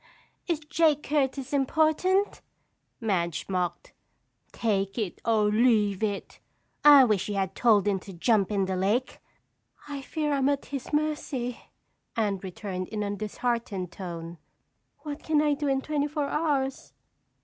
Is Jake Curtis important?" Madge mocked. "Take it or leave it! I wish you had told him to jump in the lake!" "I fear I'm at his mercy," Anne returned in a disheartened tone. "What can I do in twenty four hours?